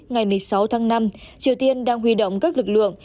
ngày một mươi sáu tháng năm triều tiên đang huy động các lực lượng